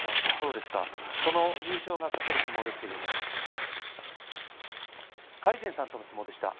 優勝が懸かる相撲魁禅さんとの相撲でした。